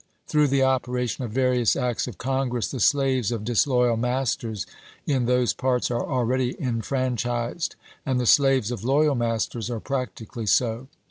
Through the operation of various acts of Congress the slaves of dis loyal masters in those parts are already enfranchised, and the slaves of loyal masters are practically so.